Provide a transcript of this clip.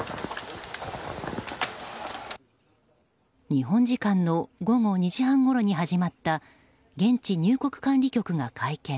日本時間の午後２時半ごろに始まった現地、入国管理局の会見。